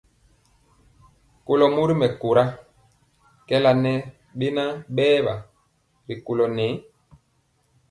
Kɔlo mori mɛkóra kɛɛla ŋɛ beŋa berwa ri kula.